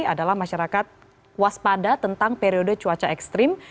adalah masyarakat waspada tentang periode cuaca ekstrim